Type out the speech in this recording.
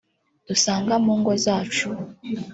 dusanga mu ngo zacu